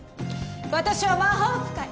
私は魔法使い！